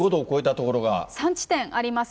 ３地点あります。